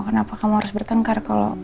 kenapa kamu harus bertengkar kalau